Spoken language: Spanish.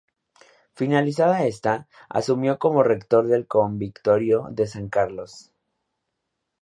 Finalizada esta, asumió como rector del convictorio de San Carlos.